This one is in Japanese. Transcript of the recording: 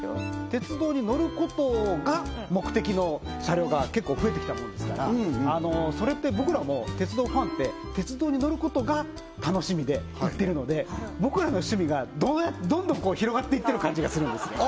鉄道に乗ることが目的の車両が結構増えてきたものですからそれって僕らもう鉄道ファンって鉄道に乗ることが楽しみで行ってるので僕らの趣味がどんどんこう広がっていってる感じがするんですね